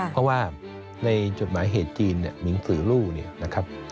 เพราะว่าในจดหมายเหตุจีนเนี่ยมิงสื่อลู่เนี่ยนะครับ